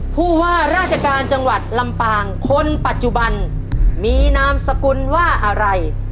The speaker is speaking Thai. ผู้ว่าราชการจังหวัดลำปางคนปัจจุบันมีนามสกุลว่าอะไร